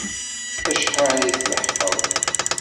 Acḥal i tleḥqeḍ?